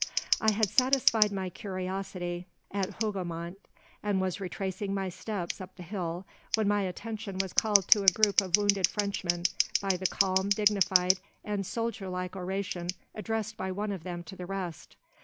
"I had satisfied my curiosity at Hougoumont, and was retracing my steps up the hill when my attention was called to a group of wounded Frenchmen by the calm, dignified, and soldier like oration addressed by one of them to the rest.